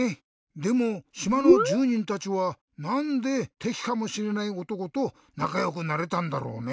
でもしまのじゅうにんたちはなんでてきかもしれないおとことなかよくなれたんだろうね？